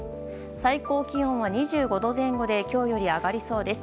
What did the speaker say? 最高気温は２５度前後で今日より上がりそうです。